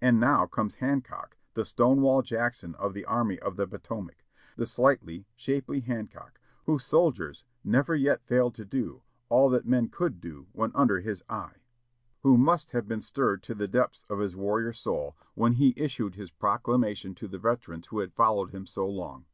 And now comes Hancock, the Stonewall Jackson of the Army of the Potomac; the sightly, shapely Hancock, whose soldiers never yet failed to do all that men could do when under his eye, who must have been stirred to the depths of his warrior soul when he issued his proclamation to the veterans who had followed him so long.